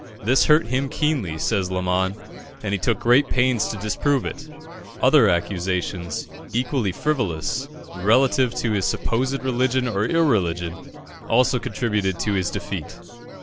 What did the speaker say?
This hurt him keenly," says Lamon, "and he took great pains to disprove it." Other accusations, equally frivolous, relative to his supposed religion or irreligion, also contributed to his defeat.